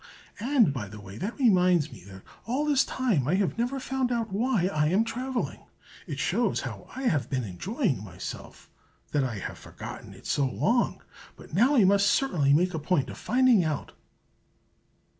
And, by the way, that reminds me that all this time I have never found out why I am travelling. It shows how I have been enjoying myself, that I have forgotten it so long; but now I must certainly make a point of finding out.